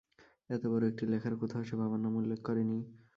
এত বড় একটি লেখার কোথাও সে বাবার নাম উল্লেখ করেনি।